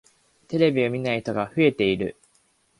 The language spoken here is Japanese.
テレビを見ない人が増えている。